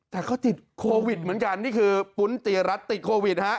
แต่เขาติดโควิดเหมือนกันนี่คือปุ้นเตียรัฐติดโควิดฮะ